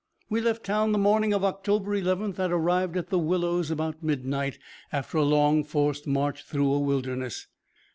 We left town the morning of October 11th, and arrived at the Willows about midnight, after a long forced march through a wilderness.